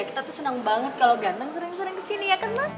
kita tuh senang banget kalau ganteng sering sering kesini ya kan mas